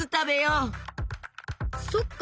そっか。